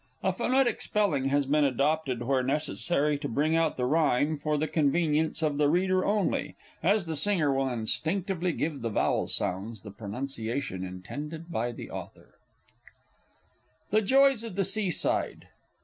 A phonetic spelling has been adopted where necessary to bring out the rhyme, for the convenience of the reader only, as the singer will instinctively give the vowel sounds the pronunciation intended by the author. THE JOYS OF THE SEA SIDE.